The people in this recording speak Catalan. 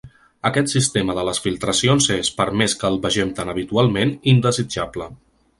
Aquest sistema de les filtracions és, per més que el vegem tan habitualment, indesitjable.